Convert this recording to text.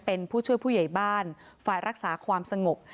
เป็นผู้ช่วยผู้ใหญ่บ้านฝ่ายรักษาความสงบ